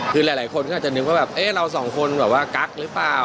คือหลายคนก็อาจจะนึกว่าเราสองคนกักหรือเปล่า